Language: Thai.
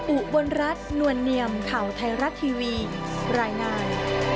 อุบลรัฐนวลเนียมข่าวไทยรัฐทีวีรายงาน